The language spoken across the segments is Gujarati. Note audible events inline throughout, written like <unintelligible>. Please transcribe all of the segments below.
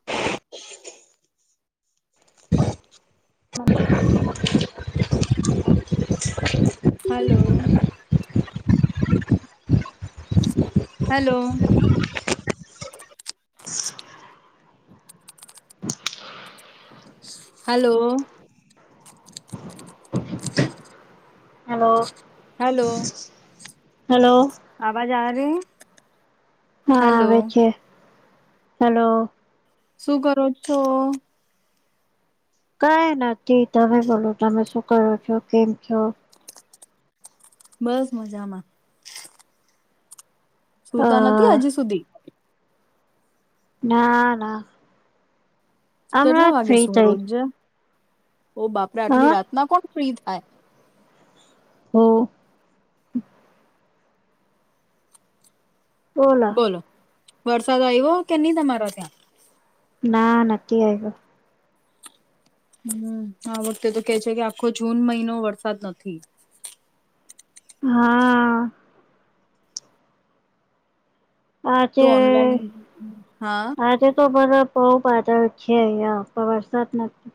હ <inaudible> હ <inaudible> <inaudible> hello hello hello hello hello અવાજ આવે છે હા આવે છે હલો શું કરો છો કઈ નથી તમે બોલો તમે શું કરો છો કેમ છો બસ મજામાં અ સુતા નથી હજુ સુધી ના ના કેટલા હમણાં જ વાગે ફ્રી સુુંવો થઈ રોજજ ઓ હા બાપરેઆટલી રાતના કોણ ફ્રી ટાઈમ હું ઓલા બોલો વરસાદ આવ્યો કે નહી તમારા ત્યાં ના નથીકી આવ ગ હમ આ વખતે તો કે છે કે આખો જૂન મહિનો વરસાદ નથી હા તો આજે ઓનલાઈન હા આજે તો બરાબ બહ પાતળ છે વરસાદ નથી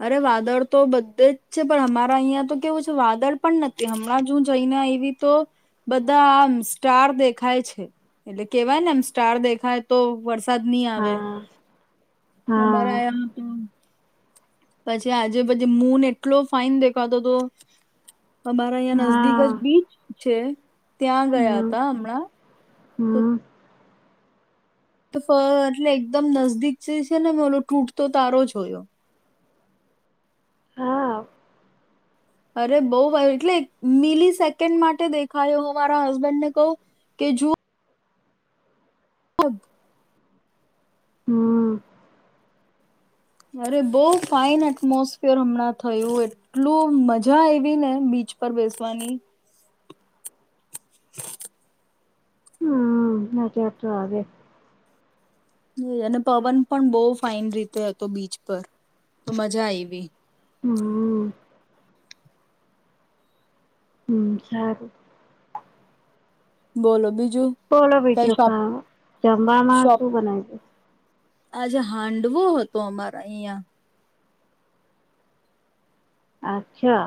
અરે વાદળ તો બધે જ છે પણ અમારા અહિયાં તો કેવું છે વાદળ પણ નથી હમણાં જો જઈને એવી તો બધા આમ સ્ટાર દેખાય છે એટલે કેવાય ને આમ સ્ટાર દેખાય તો વરસાદ વસાદ નહી આવે હા હા અમારા આ પછી આજે પછી મૂન એટલો ફાઈન દેખાતો હતો અમારા હં નજદીક જ હા બીચ છે ત્યાં ગયા હમ હતા હમણાં તો હમ એટલે એકદમ નજદીક જે છે ને ઓલો તૂટતો તારો જયો હા અરે બઉ વા એટલે મિલી સેકન્ડ માટે દેખાયો હો મારા હસબેન્ડ ને કહ કે જોુ હબ હમ અરે બહ ફાઈન એટમોસફિયર હમણાં થયું એટલું મજા એ ને બીચ પર બેસવાની હમ ના ચટ આગે હ અને પવન પણ બહ ફઇન રીતે હતો બીચ પર તો મજા આવી હમ હમ સારું બોલો બી બોલો ભીઠયો ખા જમવામાં શોપ શું બનાવે છે આજે હાંડવો હતો અમારા અહં અચ્છા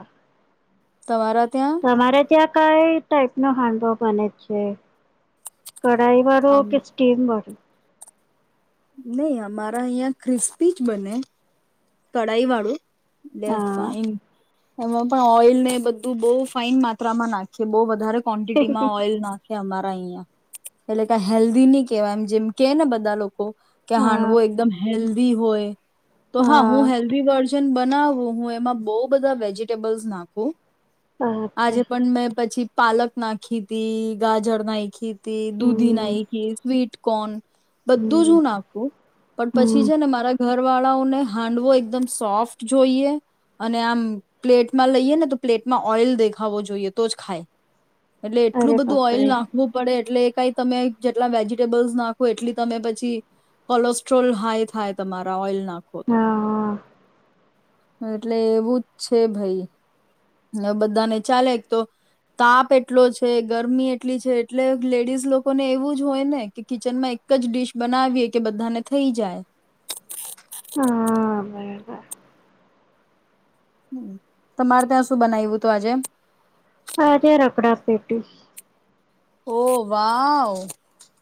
તમારાા તમારે ત્યાં કઈ ટાઈપ નો હેન્ડબપ બને છે કઢાઈ આમ વાળું કે સ્ટીમ વાળું નહી અમારા અહિયાં ક્રિસ્પી જ બને કડાાઈ વાળું એસ હા ફાઈન એમાં પણ ઓઈલ ને બધું બઉ ફાઈન માત્રામાં નાખીએ બો વધારે ક્વોન્ટિટી માં ઓઇલ નાખે આમાં અહીંયા એટલે કે હેલ્ધી ની કેવાય એમ જેમ કે ને બધા લોકો. કે હા હાંડવો એકદમ હેલ ભી હોય. તો હા હું હેલ્ધી વર્ઝન બનાવું હું એમાં બો બધા વેજીિટેબલ્સ નાખું. આજે અચ્છા પણ મેં પછી પાલક ના ખી તી ગાજર નાયખી. તે હમ દૂધીના એ કે સ્વીટ. કોણ? બધું જ હમ હું નાખું હ પણ પછી હમ છે ને મારા ઘર વાળાઓને હાંડવો એકદમ સોફ્ટ જોઈએ અને આમ પ્લેટમાં લઈએ ને તો પ્લેટમાં ઓઈલ દેખાવો જોઈએ તો જ ખાય. એટલે એટલું અરે બધું ઓઇલ બાપરે નાખવું પડે એટલે કઈ તમે જેટલા વેજીિટેબલ્સ નાખો એટલી તમે પછી કોલોસ્ટ્રોલ હાઈ થાય તમારા ઓઇલના. હા હા. એટલે એવું જ છે ભઈ. ને બધાને ચાલે એક તો તાપ એટલો છે ગરમી એટલી છે એટલે લેડીઝ લોકોને એવું જ હોય ને કે કિચનમાં એક જ ડીશ બનાવીએ કે બધાને થઈ જાય. હા <unintelligible> હ તમારે તા શું બનાવ્યું તું આજે હાજાર અપડા પેટી. ઓ વાવ.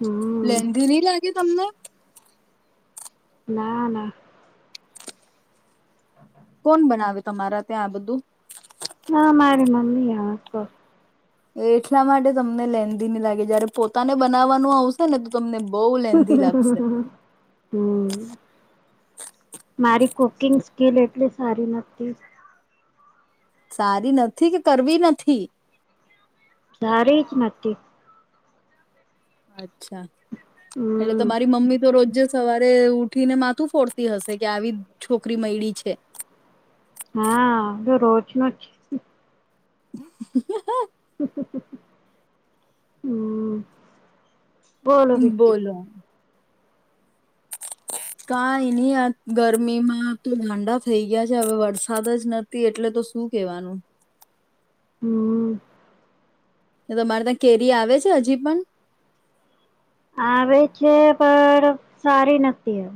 હમ લેંધી નઈ લાયગી તમને ના ના કોણ બનાવે તમારા ત્યાં આ બધું? ના મારી મમીયો તો એટલા માટે તમને લેંધી ની લાગે જયારે પોતાને બનાવવાનું આવશે ને તો તમને બહુ લેન્ધી લાગશે હમ મારી કુકિંગ સ્કીિલ એટલી સારી નથી. સારી નથી કે કરવી નથી. સારી જ નથી અજ અચ્છા એટલે હમ તમારી મમ્મી તો રોજ સવારે ઉઠીને માથું ફોડતી હશે કે આવી છોકરી મયડી છે. હા તો રોજનું જ <inaudible> હમ. બોલો તું બીજું બોલા કઈ નહી ગરમીમાં તો ાંડા થઈ ગયા છે હવે વરસાદ જ નથી એટલે તો શું કેવાનું હમ તમારે ત્યાં કેરી આવે છે હજી પણ આવે છે પણ સારી નથીતી હ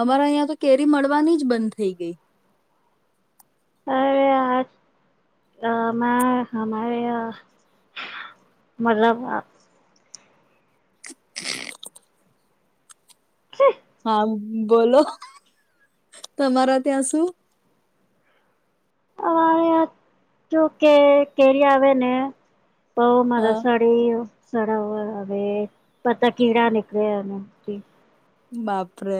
અમારા અહં તો કેરી મળવાની જ બંધ થઇ ગઈ અરે આ હરે મતલબ <inaudible> <inaudible> હા બોલો તમારા ત્યાં સુું અ કે કેરી આવે ને પ હા મારા સાડી સર હવે પતા કેડા નીકળ્યા એથી બાપરે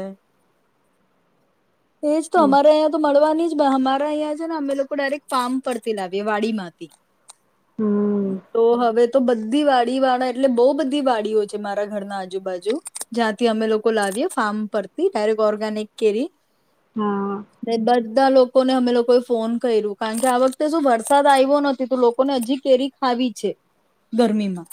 એજ તો હમ અમારે અહીંયા તો મળવાની અમારા અહં છે ને અમે લોકો ડાયરેક્ટ ફાર્મ પરથી લાવીએ વાડી માંથી હમ તો હવે તો બધી વાડી વાળા એટલે બહુ બધી વાડીઓ છે મારા ઘરના આજુબાજુ જ્યાંથી અમે લોકો લાવીએ ફાર્મ પરથી ડાયરેક્ટ ઓર્ગેનિક કેરી હા ને બધા લોકોને અમે લોકોએ ફોન કર્યું કારણ કે આ વખતે શું વરસાદ આવ્યો નથી તો લોકોને હજી કેરી આવી છે ગરમીમાં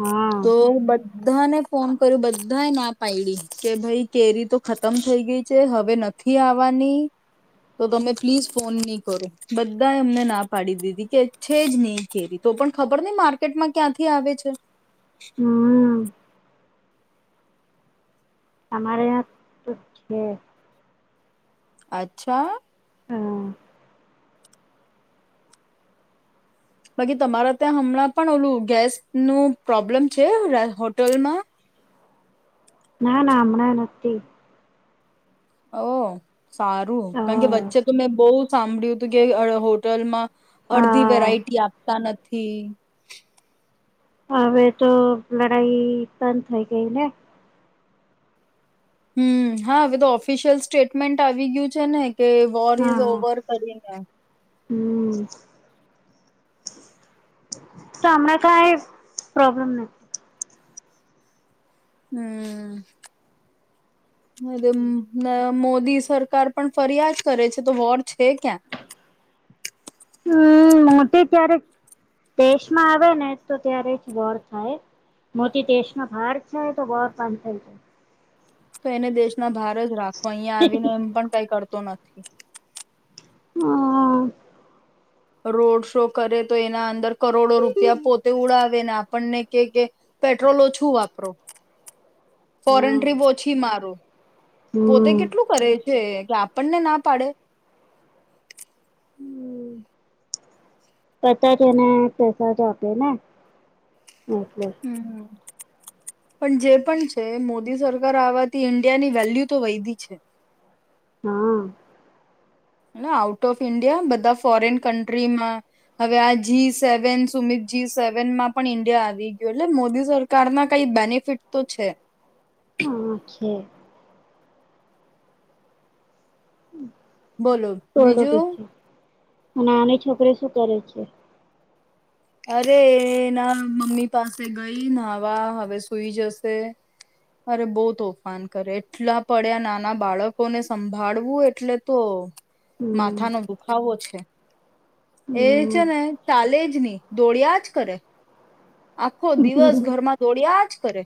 હા તો બ બધાને ફોન કર્યું બધાએ ના પાડી કે ભાઈ કેરી તો ખતમ થઈ ગઈ છે હવે નથી આવવાની તો તમે પ્લીઝ ફોન નહી કરો બધા એ અમને ના પાડી દીધી કે છે જ નહી કેરી તો પણ ખબર નહ માર્કેટમાં ક્યાંથી આવે છે હમ તમામારે ં તો છે અચ્છા હા બાકી તમારા ત્યાં હમણાં પણ ઓલું ગેસ નું પ્રોબ્લમ છે હોટેલમાં ના ના હમણાં નથી હ સારું કારણ કે હા વચ્ચે તો મેં બહુ સાંભળ્યું હતું કે હોટલ માં અડધી હા વેરાયટી આપતા નથી ી હવે તો લડાઈ પણ થઈ ગઈ ને હમ હા હવે તો ઓફિશિયલ સ્ટેટમેન્ટ આવી ગયું છે ને કે બોલ હા ઇઝ ઓવર કરી હમ તમણા કઈ પ્રોબ્લેમ નથી હમ મોદી સરકાર પણ ફરિયા જ કરે છે તો વોર છે ક્યાં હમ મોટી ત્યારે દેશમાં આવે ને તો ત્યારે જ વોર થાય મોટી દેશમાં ભાર થાય તો વોર પાં થઈ જાય તો એને દેશના ભાર રાખો અહંયા આવીને એમ પણ ક કર તો નથી. હા. રોડ શો કરે, તો એના અંદર કરોડો રૂપિયા પોતે ઉડાવે ને, આપણને કે કે, પેટ્રોલો ઓછું વાપરો. ફોરેન હમ ટ્રીપ ઓછી મારો, પોતે હમ કેટલું કરે છે? હ કે, આપણને ના પાડે. હમ, પતા તેને પેસા જ આપે ને. એટલે હમ, હમ. પણ જે પણ છે, મોદી સરકાર આવવાથી ઈન્ડિયાની વેલ્યુ તો વૈધી છે. હા. એટલે આઉટ ઓફ ઈન્ડિયા, બધા ફોરેન કન્ટ્રીમાં હવે આ જી-સેવન સુમિત, જી-સેવનમાં પણ ઈન્ડિયા આવી ગયો, એટલે મોદી સરકારના કઈ બેનિફિટ તો છે. હા, છે. બોલો, ઓરડો બીજું. પીછે અને નાની છોકરી શું કરે છે? અરે, એના મમ્મી પાસે ગઈ નાહવા, હવે સુઈ જશે. અરે, બહુ તોફાન કરે, એટલા પડ્યા. નાના બાળકોને સંભાળવું એટલે તો. હમ માથા નો દુખાવો છે. એ હમ છે ને, ચાલે જ નહીં. દોડ્યા જ કરે. આખો હમ દિવસ ઘરમાં દોડ્યા જ. કરે.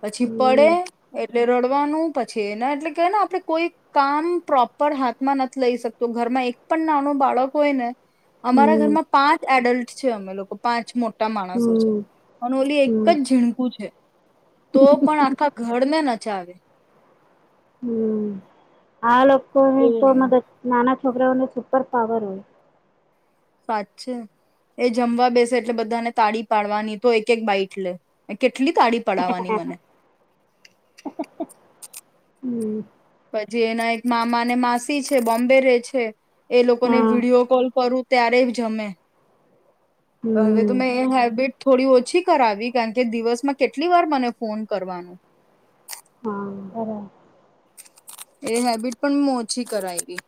પછી હમ પડે એટલે રડવાનું પછીને, એટલે કેય ને, આપણે કોઈ કામ પ્રોપર હાથમાં નથી લઈ શકતો. ઘરમાં એક પણ નાનું બાળક હોય ને, અમારા હમ ઘરમાં પાંચ એડલ્ટ છે. અમે લોકો પાંચ મોટા માણસ. અનોલી એક હમ જ ઝીણકુ છે, તો પણ આખા ઘર ને નચાવે. હા, લોકો એવું કોણ નાના છોકરાઓને સુપરપાવર હોય. વાત છે, એ જમવા બેસે એટલે બધાને તાળી પાડવાની, તો એક એક બાઈટ લે કેટલું કેટલી તાળી પડવાની, મને! હમ. પછી એના એક મામા અનેન માસી છે, બોમ્બે રે છે. એ લોકો ને હા વિડીયો કોલ કરું. ત્યારે જમે. હવે તો હમ મે એ હેબિટ. થોડી ઓછી કરાવી, કારણ કે દિવસમાં કેટલી વાર મને ફોન કરવાનો! હા, બરાબર. એ હેબિટ પણ ઓછી કરાઈ ગઈ.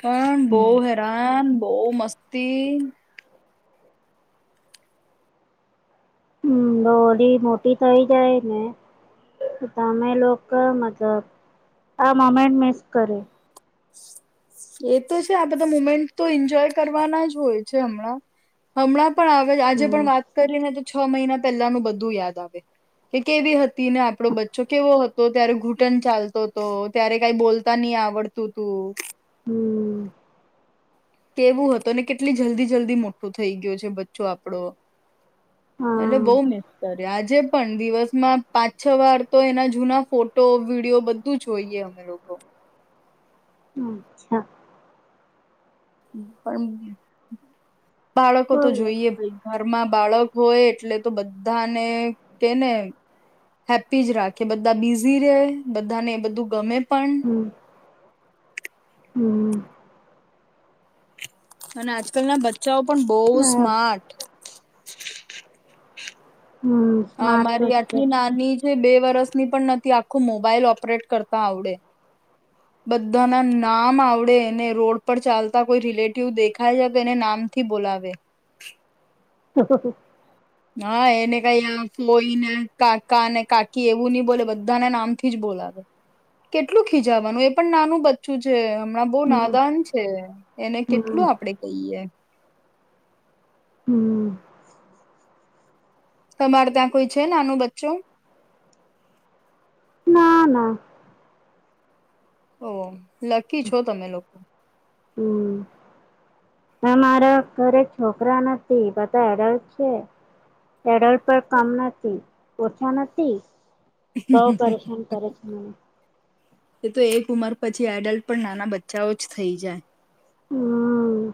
પણ બઉ હમ હેરાન બહુ મસ્તી હમ હોલી મોટી થઈ જાય ને તમે લોકો મતલબ આ મુમેન્ટ મિસ કરે એ તો છે આ બધા મુમેન્ટ તો એન્જોય કરવાના જ હોય છે હમણાં હમણાં પણ આવે આજે હમ પણ વાત કરીને છ મહિના પહેલાનું બધું યાદ આવે કે કેવી હતી ને આપડો બચ્ચો કેવો હતો ત્યારે ઘૂટન ચાલતો હતો ત્યારે કાઈ બોલતા નહી આવડ તો તું હમ્ કેવું હત ને કેટલી જલ્દી જલ્દી મોટું થઈ ગયું છે બચ્ચો આપડો એટલે હા બઉ મિસ્ કર આજે પણ દિવસમાં પાંછ છ વાર તો એના જૂના ફોટો, વિડીયો બધું જોઈએ અમે લોકો. હમ્મ, ચ્છા. પણ બાળકો તો બોલો જોઈએ ભાઈ. ઘરમાં બાળક હોય એટલે તો બધાને કે ને હેપી જ રાખે બધા બિઝી રે બધાને એ બધું ગમે પણ હમ્મ, હમ્મ. અને આજકાલના બચ્ચાઓ પણ બહુ હા સ્માર્ટ. હમ અ સ્માર્ટ તો મારી છે. આટલી નાની છે બે વરષ પણ નથી આખું મોબાઈલ ઓપરેટ કરતા આવડે. બધાના નામ આવડે ને રોડ પર ચાલતા કોઈ રિલેટિવ દેખાય છે કે એને નામથી બોલાવે. હ હ હ હા એને કઈ ફોય ને કાકા ને કાકી એવું નઈ બોલે બધાના નામથી જ બોલાવે કેટલું ખીજાવાનું એ પણ નાનું બચ્ચું છે. આ બો નાદાન છે એને હમ કેટલું આપડે કહીએ. હમ્મ. તમારે ત્યાં કોઈ છે નાનું બચ્ચો? ના ના. ઓ લકી છો તમે લોકો. હમ અમારા ઘરે છોકરા નથી બધા અડલ્ટ છે. એડલ્ટ પન કમ નથી. ઓછા નથી. બવ પરેશાન કરે છે મને. એ તો એક ઉંમર પછી એડલ્ટ પણ નાના બચ્ચાઓ જ થઈ જાય. હમ્મ.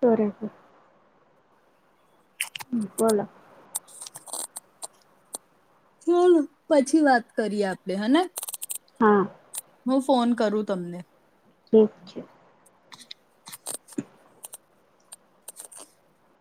તોરે છે. હમ્મ, બોલો. ચલો પછી વાત કરીએ આપડે, હને? હા. હું ફોન કરું તમને. ઠીક છે.